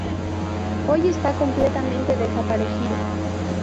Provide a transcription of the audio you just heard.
Hoy está completamente desaparecido.